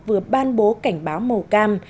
vừa ban bố cảnh báo màu cam